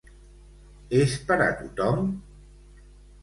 És per a tothom?